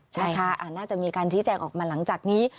น่าจะมีการชี้แจงออกมาหลังจากนี้